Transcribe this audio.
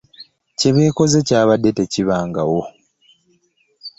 Kye beekoze kyabadde tekibangawo!